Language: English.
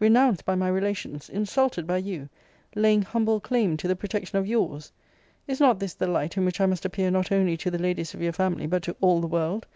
Renounced by my relations! Insulted by you! Laying humble claim to the protection of your's! Is not this the light in which I must appear not only to the ladies of your family, but to all the world?